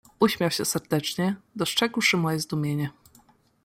"Uśmiał się serdecznie, dostrzegłszy moje zdumienie."